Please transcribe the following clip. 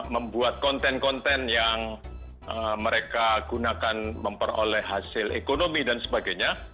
membuat konten konten yang mereka gunakan memperoleh hasil ekonomi dan sebagainya